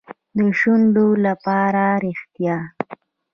د شونډو لپاره ریښتیا.